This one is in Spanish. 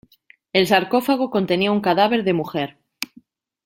El sarcófago contenía un cadáver de mujer.